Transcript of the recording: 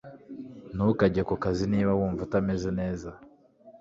Ntukajye ku kazi niba wumva utameze neza.